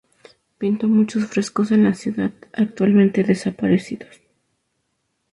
Pintó muchos frescos en la ciudad, actualmente desaparecidos.